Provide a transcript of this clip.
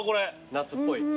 夏っぽい？